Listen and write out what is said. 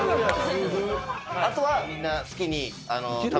後はみんな好きに。